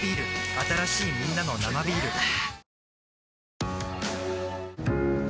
新しいみんなの「生ビール」パパ。